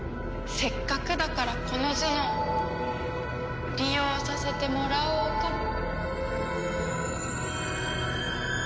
せっかくだからこの頭脳利用させてもらおうか。